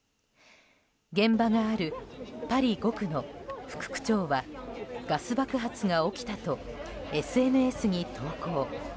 現場があるパリ５区の副区長はガス爆発が起きたとＳＮＳに投稿。